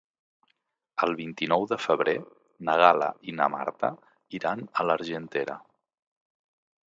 El vint-i-nou de febrer na Gal·la i na Marta iran a l'Argentera.